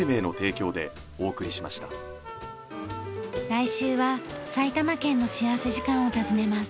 来週は埼玉県の幸福時間を訪ねます。